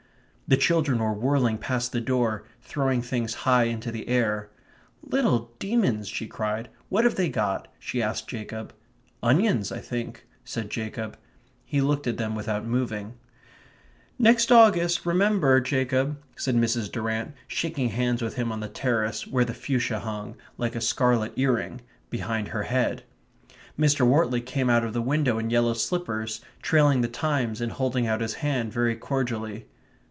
The children were whirling past the door, throwing things high into the air. "Little demons!" she cried. "What have they got?" she asked Jacob. "Onions, I think," said Jacob. He looked at them without moving. "Next August, remember, Jacob," said Mrs. Durrant, shaking hands with him on the terrace where the fuchsia hung, like a scarlet ear ring, behind her head. Mr. Wortley came out of the window in yellow slippers, trailing the Times and holding out his hand very cordially.